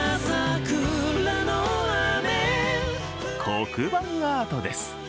黒板アートです。